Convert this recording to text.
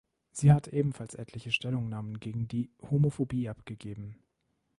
Sie hat ebenfalls etliche Stellungnahmen gegen die Homophobie abgegeben.